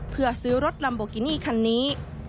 เพื่อซื้อรถลัมโบกินี่คันนี้